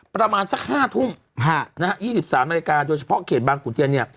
ประมาณสัก๕ทุ่ม๒๓อเมริกาโดยเฉพาะเขตบางขุนเตียน